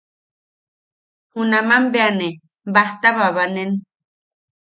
Junaman bea ne bajta babanen.